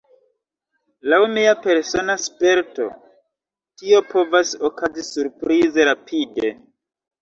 Laŭ mia persona sperto, tio povas okazi surprize rapide.